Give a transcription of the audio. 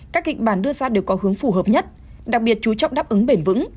các kịch bản đưa ra đều có hướng phù hợp nhất đặc biệt chú trọng đáp ứng bền vững